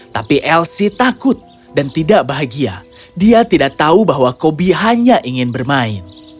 tapi elsi takut dan tidak bahagia dia tidak tahu bahwa kobi hanya ingin bermain